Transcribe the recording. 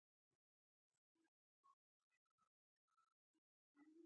کچالو د بدن وده ګړندۍ کوي.